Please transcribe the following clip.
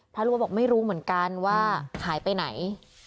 ลูกวัดบอกไม่รู้เหมือนกันว่าหายไปไหน